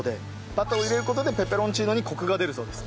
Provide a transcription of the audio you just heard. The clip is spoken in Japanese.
バターを入れる事でペペロンチーノにコクが出るそうです。